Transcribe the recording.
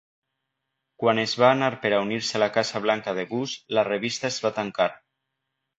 Quan es va anar per a unir-se a la Casa Blanca de Bush, la revista es va tancar.